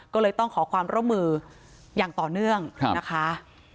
ก็เลยต้องขอความร่วมมืออย่างต่อเนื่องนะคะ